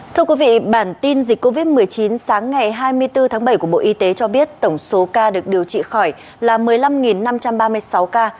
thưa quý vị bản tin dịch covid một mươi chín sáng ngày hai mươi bốn tháng bảy của bộ y tế cho biết tổng số ca được điều trị khỏi là một mươi năm năm trăm ba mươi sáu ca